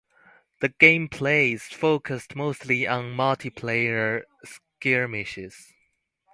The gameplay is focused mostly on multiplayer skirmishes.